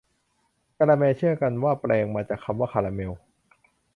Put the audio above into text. กาละแม เชื่อกันว่าแปลงมาจากคำว่าคาราเมล